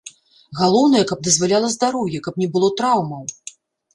Галоўнае, каб дазваляла здароўе, каб не было траўмаў.